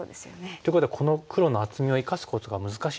っていうことはこの黒の厚みを生かすことが難しいですよね。